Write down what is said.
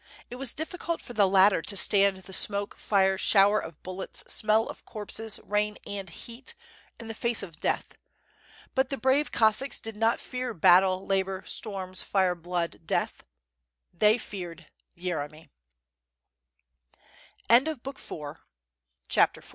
It was difficult for the latter to stand the smoke, fire, shower of bullets, smell of corpses, rain, and heat, in the face of death; but the brave Cossacks did not fear battle, labor, storms, fire, blood, death — they feared "Yeremy